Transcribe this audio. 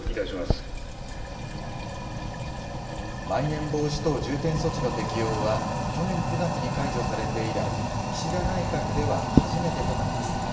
まん延防止等重点措置の適用は、去年９月に解除されて以来、岸田内閣では初めてとなります。